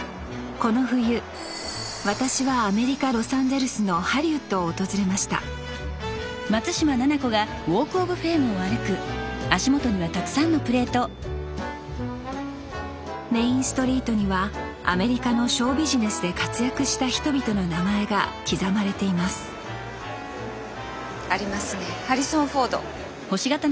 この冬私はアメリカ・ロサンゼルスのハリウッドを訪れましたメインストリートにはアメリカのショービジネスで活躍した人々の名前が刻まれていますありますねハリソン・フォード。